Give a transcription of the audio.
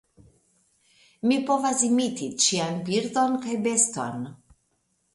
Mi povas imiti ĉian birdon kaj beston.